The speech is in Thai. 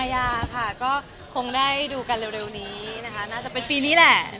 ยาค่ะก็คงได้ดูกันเร็วนี้นะคะน่าจะเป็นปีนี้แหละ